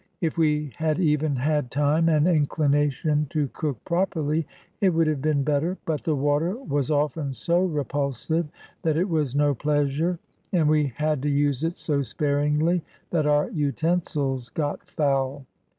If we had even had time and inclination to cook properly, it would have been better; but the water was often so repulsive that it was no pleasure, and we had to use it so sparingly that our utensils got foul.